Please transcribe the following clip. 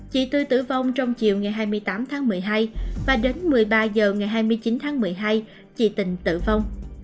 chị tư tử vong trong chiều ngày hai mươi tám tháng một mươi hai và đến một mươi ba h ngày hai mươi chín tháng một mươi hai chị tình tử vong